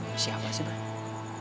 misi apa sih abah